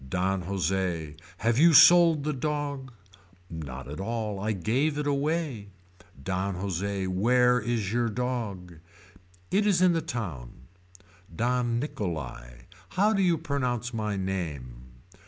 Don Jose. Have you sold the dog. Not at all I gave it away. Don Jose. Where is your dog. It is in the town. Don Nicholai. How do you pronounce my name.